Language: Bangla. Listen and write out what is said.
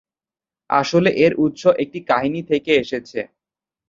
আসলে এর উৎস একটি কাহিনী থেকে এসেছে।